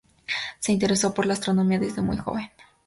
Se interesó por la astronomía desde muy joven.